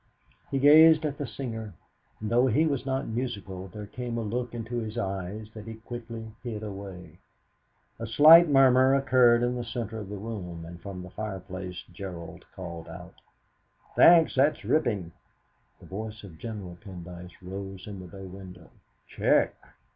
He gazed at the singer, and though he was not musical, there came a look into his eyes that he quickly hid away. A slight murmur occurred in the centre of the room, and from the fireplace Gerald called out, "Thanks; that's rippin!" The voice of General Pendyce rose in the bay window: "Check!"